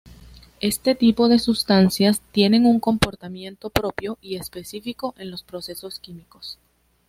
Este tipo de sustancias tienen un comportamiento propio y específico en los procesos químicos.